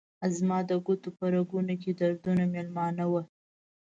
زما د ګوتو په رګونو کې دردونه میلمانه وه